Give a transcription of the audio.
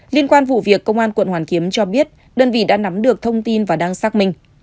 liên quan vụ việc công an quận hoàn kiếm cho biết đơn vị đã nắm được thông tin và đang xác minh